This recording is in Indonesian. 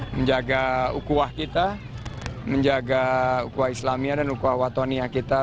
menjaga ukuah kita menjaga ukuah islamia dan ukuah watonia kita